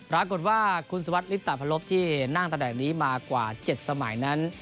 ปรากฏว่าคุณสวัสดิตาพลบที่นั่งตำแหน่งนี้มากว่า๗สมัยนั้น